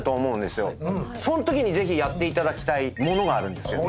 そのときにぜひやっていただきたいものがある。